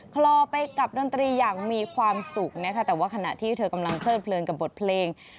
คลอไปกับดนตรีอย่างมีความสุขนะคะแต่ว่าขณะที่เธอกำลังเพลิดเลินกับบทเพลง